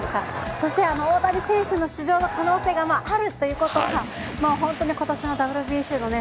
そして大谷選手の出場の可能性があるということがもう本当に今年のＷＢＣのね